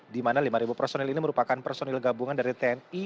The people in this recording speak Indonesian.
di mana lima personil ini merupakan personil gabungan dari tni